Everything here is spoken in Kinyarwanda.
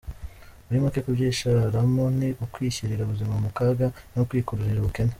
Muri make kubyishoramo ni ukwishyirira ubuzima mu kaga no kwikururira ubukene.